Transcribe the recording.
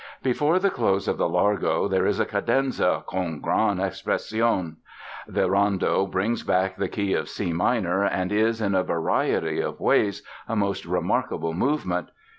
Before the close of the Largo there is a cadenza "con gran espressione." The Rondo brings back the key of C minor and is, in a variety of ways, a most remarkable movement.